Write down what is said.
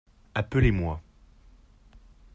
Appelez-moi.